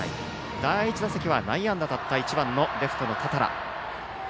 第１打席は内野安打だったレフトの多田羅。